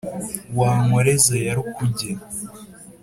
wa nkoreza ya rukuge,